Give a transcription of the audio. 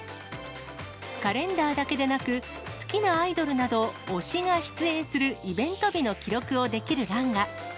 カレンダーだけでなく、好きなアイドルなど、推しが出演するイベント日の記録をできる欄が。